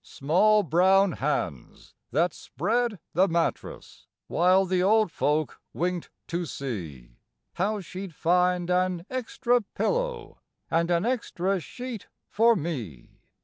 Small brown hands that spread the mattress, While the old folk winked to see How she'd find an extra pillow And an extra sheet for me.